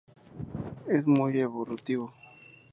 Es muy evolutivo.